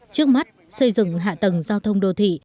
trước mắt xây dựng hạ tầng giao thông đô thị